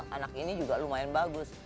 anak ini juga lumayan bagus